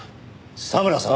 沙村さん！